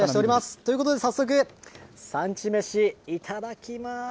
ということで、早速、産地めし、いただきます。